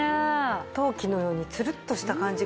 陶器のようにつるっとした感じがしますよ。